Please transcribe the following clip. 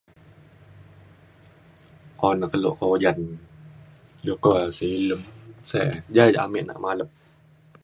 un e keluk ke ojan jukuk e silem sey, jane ja amik nak malep.